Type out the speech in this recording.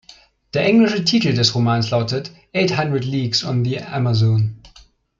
Der englische Titel des Romans lautet "Eight Hundred Leagues on the Amazon".